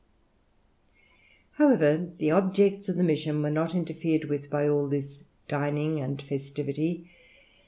However, the objects of the mission were not interfered with by all this dining and festivity.